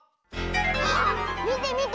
あっみてみて！